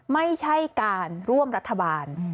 ไม่ใช่การร่วมรัฐบาล